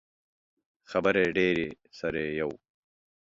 خبرې ډیرې سر يې یو.